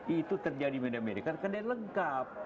itu terjadi di amerika karena dia lengkap